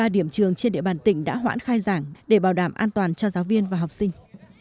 một trăm bảy mươi ba điểm trường trên địa bàn tỉnh đã hoãn khai giảng để bảo đảm an toàn cho giáo viên và học sinh